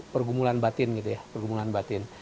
pergumulan batin gitu ya pergumulan batin